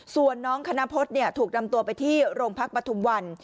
ส่วนน้องคณพฤษถูกนำตัวไปที่โรงพักปฐุมวัน